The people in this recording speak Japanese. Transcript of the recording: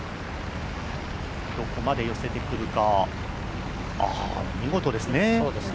どこまで寄せてくるか、見事ですね。